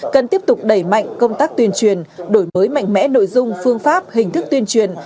cần tiếp tục đẩy mạnh công tác tuyên truyền đổi mới mạnh mẽ nội dung phương pháp hình thức tuyên truyền